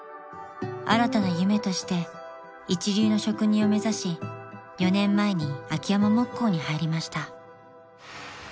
［新たな夢として一流の職人を目指し４年前に秋山木工に入りました］